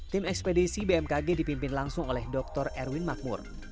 tim ekspedisi bmkg dipimpin langsung oleh dr erwin makmur